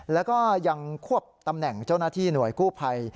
แล้วก็ยังควบตำแหน่งเจ้าหน้าที่หน่วยกู้ภัย